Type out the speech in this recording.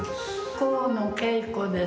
河野恵子です